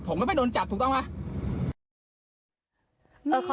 ผมไม่ค่อยโดนจับถูกต้องไหม